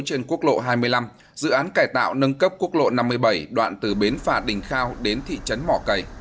trên quốc lộ hai mươi năm dự án cải tạo nâng cấp quốc lộ năm mươi bảy đoạn từ bến phà đình khao đến thị trấn mỏ cầy